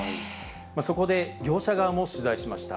そこで、業者側も取材しました。